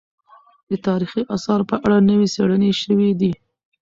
د تاريخي اثارو په اړه نوې څېړنې شوې دي.